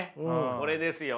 これですよね。